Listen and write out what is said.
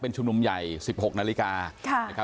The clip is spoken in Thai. เป็นชุมนุมใหญ่๑๖นาฬิกาค่ะค่ะ